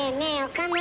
岡村。